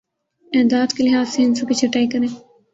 اعداد کے لحاظ سے ہندسوں کی چھٹائی کریں